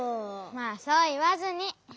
まあそういわずに。